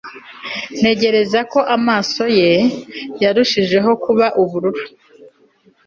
ntekereza ko amaso ye yarushijeho kuba ubururu